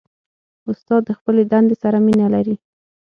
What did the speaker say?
استاد د خپلې دندې سره مینه لري.